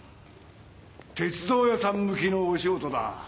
鉄道屋さん向きのお仕事だ。